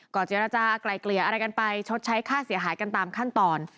ก็เจรจากลายเกลี่ยอะไรกันไปชดใช้ค่าเสียหายกันตามขั้นตอน